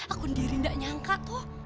aku sendiri gak nyangka kok